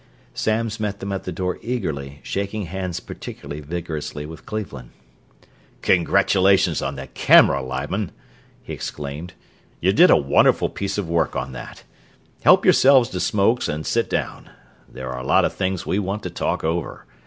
Samms met them at the door eagerly, shaking hands particularly vigorously with Cleveland. "Congratulations on that camera, Lyman!" he exclaimed. "You did a wonderful piece of work on that. Help yourselves to smokes and sit down there are a lot of things we want to talk over.